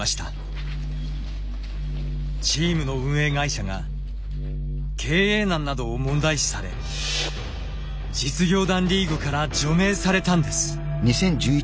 チームの運営会社が経営難などを問題視され実業団リーグから除名されたんです。